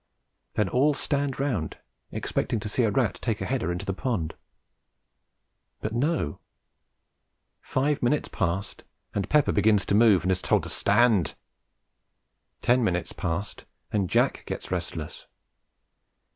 Then all stand round expecting to see a rat take a header into the pond; but no, five minutes pass, and Pepper begins to move, and is told to "stand." Ten minutes pass, and Jack gets restless.